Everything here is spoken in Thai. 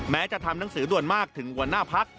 จะทำหนังสือด่วนมากถึงหัวหน้าพัก